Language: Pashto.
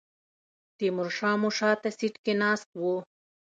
تیمور شاه مو شاته سیټ کې ناست و.